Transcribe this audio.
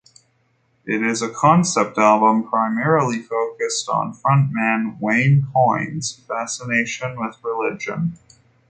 It is a concept album primarily focused on frontman Wayne Coyne's fascination with religion.